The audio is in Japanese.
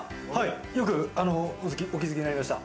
よくお気づきになりました。